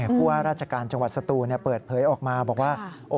ผู้ว่าราชการจังหวัดสตูนเปิดเผยออกมาบอกว่า